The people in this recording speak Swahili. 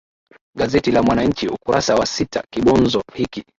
gazeti la mwananchi ukurasa wa sita kibonzo hiki